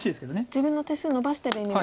自分の手数をのばしてる意味もある。